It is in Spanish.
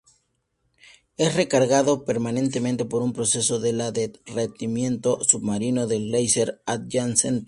Es recargado permanente por un proceso de de derretimiento submarino del glaciar adyacente.